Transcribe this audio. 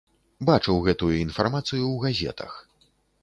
Бачыў гэтую інфармацыю ў газетах.